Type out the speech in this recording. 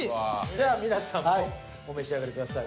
じゃあ皆さんもお召し上がりください。